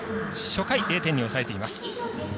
初回、０点に抑えています。